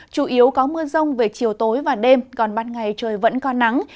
chủ yếu có mưa rông về chiều tối và đêm còn ban ngày trời vẫn còn nắng